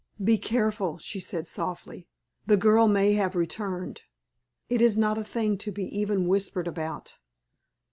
"Be careful," she said, softly. "The girl may have returned. It is not a thing to be even whispered about.